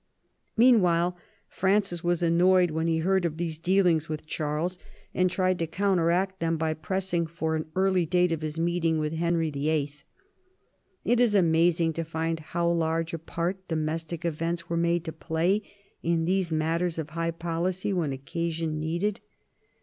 Meanwhile Francis was annoyed when he heard of these dealings with Charles, and tried to counteract 60 THOMAS WOLSEY chap. them by pressing for an early date of his meeting with Henry VIIL It is amazing to find how large a part domestic events were made to play in these matters of high policy when occasion needed.